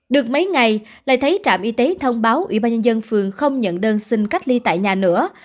được mấy ngày lại thấy trạm y tế thông báo ủy ban nhân dân phường không nhận đơn xin cách ly tại nhà nữa